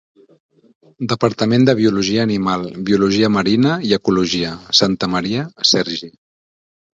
Departament de Biologia Animal, Biologia Marina i Ecologia; Santamaria, Sergi.